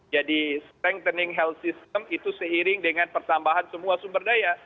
jadi memperkuat sistem kesehatan itu seiring dengan pertambahan semua sumber daya